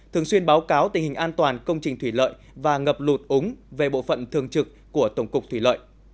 thường xuyên báo cáo tình hình an toàn công trình thủy lợi và ngập lụt úng về bộ phận thường trực của tổng cục thủy lợi